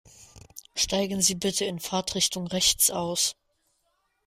Steigen Sie bitte in Fahrtrichtung rechts aus.